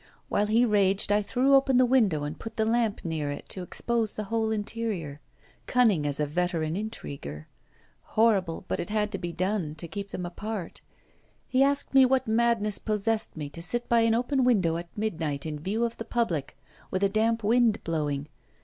While he raged I threw open the window and put the lamp near it, to expose the whole interior cunning as a veteran intriguer: horrible, but it had to be done to keep them apart. He asked me what madness possessed me, to sit by an open window at midnight, in view of the public, with a damp wind blowing.